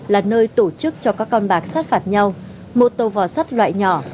là nơi tổ chức cho các con bạc sát phạt nhau một tàu vỏ sắt loại nhỏ